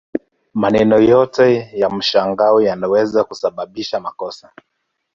Maneno yoyote ya mshangao yanaweza kusababisha makosa